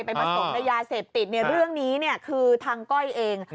ไปมาส่งได้ยาเสพติดเรื่องนี้คือทางก้อยเอง